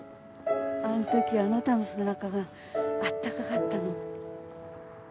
あの時あなたの背中があったかかったの。